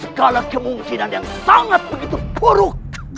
dan keadaan kita sekarang benar benar sangat begitu sempit